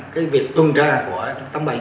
cái việc tuần tra của tám nghìn ba trăm chín mươi bốn